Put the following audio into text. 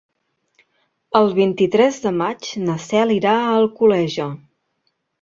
El vint-i-tres de maig na Cel irà a Alcoleja.